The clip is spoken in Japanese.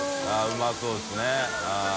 うまそうですねあっ。